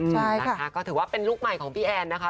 ใช่นะคะก็ถือว่าเป็นลูกใหม่ของพี่แอนนะคะ